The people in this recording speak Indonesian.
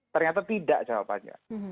ternyata tidak jawabannya